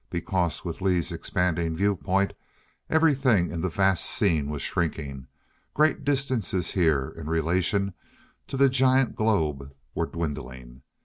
Because, with Lee's expanding viewpoint, everything in the vast scene was shrinking! Great distances here, in relation to the giant globe, were dwindling!